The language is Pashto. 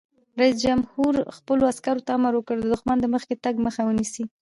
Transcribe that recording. رئیس جمهور خپلو عسکرو ته امر وکړ؛ د دښمن د مخکې تګ مخه ونیسئ!